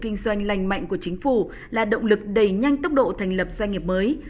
kinh doanh lành mạnh của chính phủ là động lực đẩy nhanh tốc độ thành lập doanh nghiệp mới